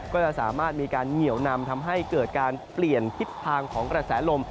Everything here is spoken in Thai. ก็จะสามารถมีการเหนียวนำทำให้เกิดการเปลี่ยนทิศทางของกระแสลม